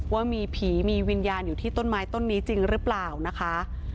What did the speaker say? ว่ามีผีมีวิญญาณอยู่ที่ต้นไม้ต้นนี้จริงหรือเปล่านะคะ